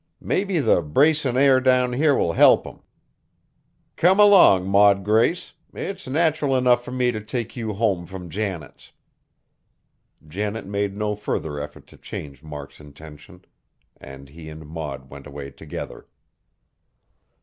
Maybe the bracin' air down here will help him. Come along, Maud Grace, it's nateral enough fur me t' take you home frum Janet's." Janet made no further effort to change Mark's intention; and he and Maud went away together.